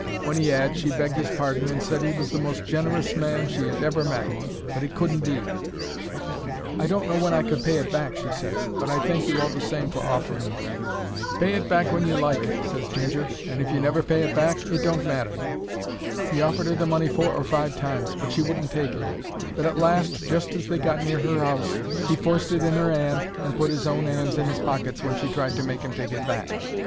When he 'ad she begged 'is pardon and said he was the most generous man she 'ad ever met, but it couldn't be. "I don't know when I could pay it back," she ses, "but I thank you all the same for offering it." "Pay it back when you like," ses Ginger, "and if you never pay it back, it don't matter." He offered 'er the money four or five times, but she wouldn't take it, but at last just as they got near her 'ouse he forced it in her 'and, and put his own 'ands in his pockets when she tried to make 'im take it back.